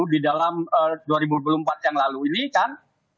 di dalam dua ribu dua puluh empat yang lalu ini kan